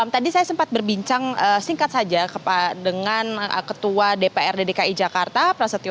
tadi saya sempat berbincang singkat saja dengan ketua dpr dki jakarta prasetyo